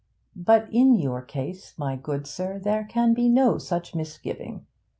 But in your case, my good sir, there can be no such misgiving.